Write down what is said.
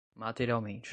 materialmente